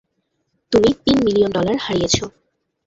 তুমি তিন million dollar হারিয়েছো।